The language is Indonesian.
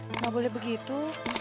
enggak boleh begitu